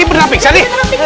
ini beneran pingsan nih